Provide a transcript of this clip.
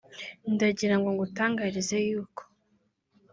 ndagira ngo ngutangarize yuko